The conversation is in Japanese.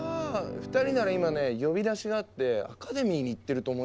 ２人なら今ね呼び出しがあってアカデミーに行ってると思いますよ。